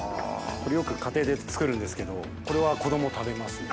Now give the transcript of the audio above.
これよく家庭で作るんですけどこれは子供食べますね。